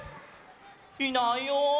いないよ。